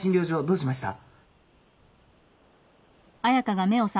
どうしました？